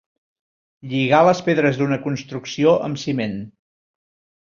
Lligar les pedres d'una construcció amb ciment.